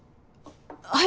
はい！